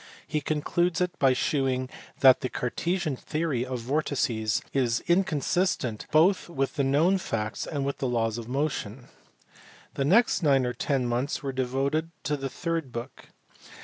He concludes it by shewing that the Cartesian theory of vortices was incon sistent both with the known facts and with the laws of motion. The next nine or ten months were devoted to the third book.